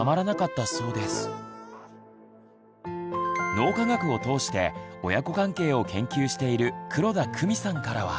脳科学を通して親子関係を研究している黒田公美さんからは。